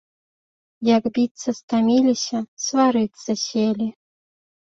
Як біцца стаміліся, сварыцца селі.